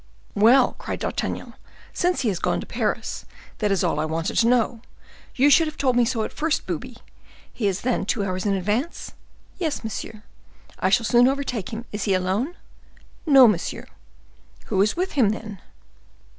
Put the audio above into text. '" "Well!" cried D'Artagnan, "since he is gone towards Paris, that is all I wanted to know! you should have told me so at first, booby! He is then two hours in advance?" "Yes, monsieur." "I shall soon overtake him. Is he alone?" "No, monsieur." "Who is with him, then?"